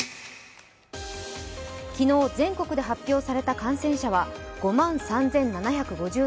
昨日、全国で発表された感染者は５万３７５３人。